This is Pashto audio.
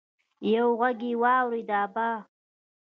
يو غږ يې واورېد: ابا!